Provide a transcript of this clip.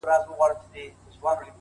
لس پنځلس ورځي وروسته وه جشنونه٫